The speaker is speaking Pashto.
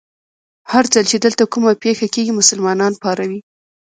هر ځل چې دلته کومه پېښه کېږي، مسلمانان پاروي.